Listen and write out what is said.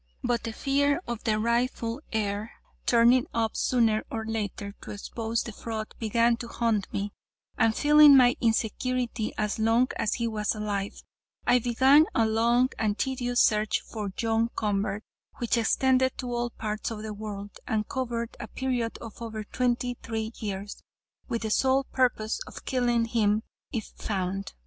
"'But the fear of the rightful heir turning up sooner or later to expose the fraud began to haunt me, and, feeling my insecurity as long as he was alive, I began a long and tedious search for John Convert, which extended to all parts of the world, and covered a period of over twenty three years, with the sole purpose of killing him if found.